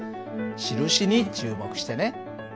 印に注目してね。